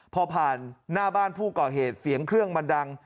พอผ่านหน้าบ้านผู้ก่อเหตุเสียงเครื่องมันดัง